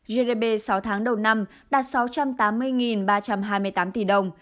gdp sáu tháng đầu năm đạt sáu trăm tám mươi ba trăm hai mươi tám tỷ đồng